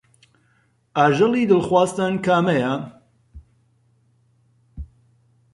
ئاژەڵی دڵخوازتان کامەیە؟